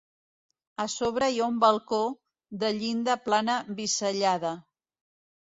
A sobre hi ha un balcó de llinda plana bisellada.